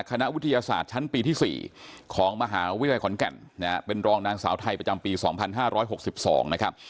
คณะวิทยาศาสตร์ชั้นปีที่๔ของมหาวิทยาลัยขอนแก่นเป็นรองนางสาวไทยประจำปี๒๕๖๒นะครับ